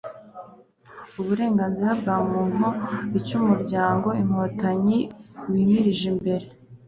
uburenganzira bwa muntu icyo umuryango fpr-inkotanyi wimirije imbere